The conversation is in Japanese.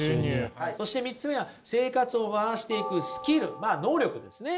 そして３つ目は生活を回していくスキルまあ能力ですね。